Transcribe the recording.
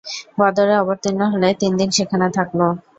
বদরে অবতীর্ণ হলে তিনদিন সেখানে থাকল।